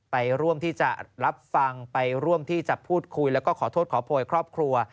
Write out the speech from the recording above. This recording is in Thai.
ไปร่วมที่จะรับฟังไปร่วมที่จะพูดคุยแล้วก็ขอโทษขอโพยครอบครัว